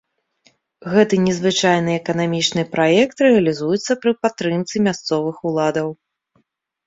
Гэты незвычайны эканамічны праект рэалізуецца пры падтрымцы мясцовых уладаў.